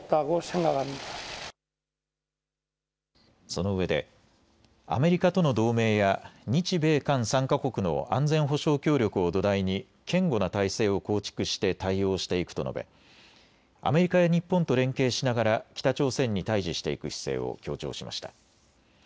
そのうえでアメリカとの同盟や日米韓３か国の安全保障協力を土台に堅固な体制を構築して対応していくと述べ、アメリカや日本と連携しながら北朝鮮に対じしていく姿勢を強調しました。